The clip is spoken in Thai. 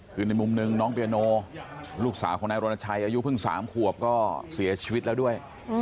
คือในมุมหนึ่งน้องเปียโนลูกสาวของนายรณชัยอายุเพิ่ง๓ขวบก็เสียชีวิตแล้วด้วย